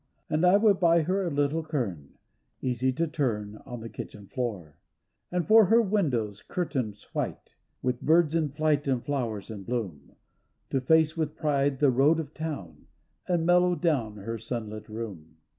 And I would buy her a little quern, Easy to turn on the kitchen floor. And for her windows curtains white, With birds in flight and flowers in bloom, To face with pride the road to town, And mellow down her sunlit room.